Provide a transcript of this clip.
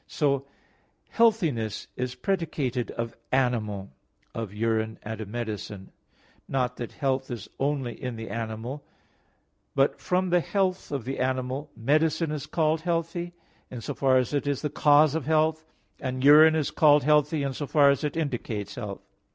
So healthiness is predicated of animal, of urine, and of medicine, not that health is only in the animal; but from the health of the animal, medicine is called healthy, in so far as it is the cause of health, and urine is called healthy, in so far as it indicates health.